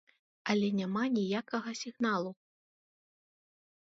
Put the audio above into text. Але няма ніякага сігналу.